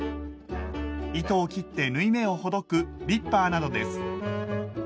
糸を切って縫い目をほどくリッパーなどです。